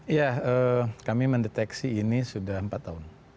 ya kami mendeteksi ini sudah empat tahun